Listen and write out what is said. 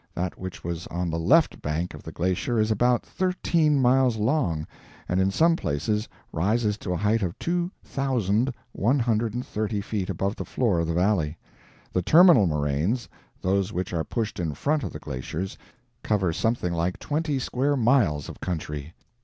That which was on the left bank of the glacier is about THIRTEEN MILES long, and in some places rises to a height of TWO THOUSAND ONE HUNDRED AND THIRTY FEET above the floor of the valley! The terminal moraines (those which are pushed in front of the glaciers) cover something like twenty square miles of country.